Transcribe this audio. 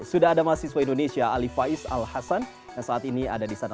sudah ada mahasiswa indonesia ali faiz al hasan yang saat ini ada di sana